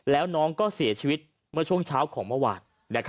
แล้วน้องก็เสียชีวิตเมื่อช่วงเช้าของเมื่อวาน